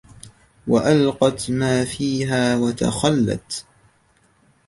وَأَلْقَتْ مَا فِيهَا وَتَخَلَّتْ